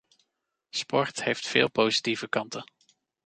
Sport heeft veel positieve kanten.